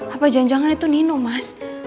apa janjangan itu nino mas